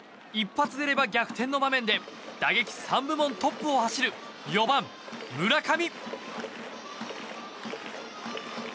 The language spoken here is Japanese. １発が出れば逆転の場面で打撃３部門トップを走る４番、村上。